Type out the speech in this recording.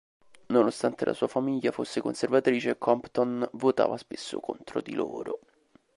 Nonostante la sua famiglia fosse conservatrice, Compton votava spesso contro di loro.